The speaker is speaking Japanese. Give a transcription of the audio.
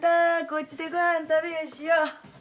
こっちでごはん食べよしよ。